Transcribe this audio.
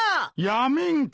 やめんか。